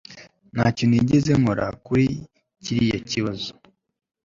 Ntacyo nigeze nkora kuri kiriya kibazo